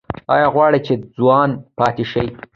ایا غواړئ چې ځوان پاتې شئ؟